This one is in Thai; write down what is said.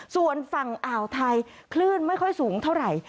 ส่วนฝั่งอ่าวไทยคลื่นไม่ค่อยสูงเท่าไหร่